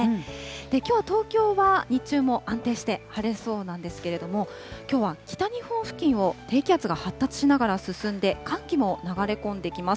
きょう東京は日中も安定して晴れそうなんですけれども、きょうは北日本付近を低気圧が発達しながら進んで、寒気も流れ込んできます。